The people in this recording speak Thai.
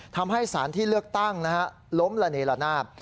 ทำให้สารที่เลือกตั้งล้มละเนละนาบ